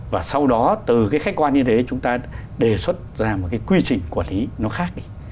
và sau đó từ cái khách quan như thế chúng ta đề xuất ra một cái quy trình quản lý nó khác đi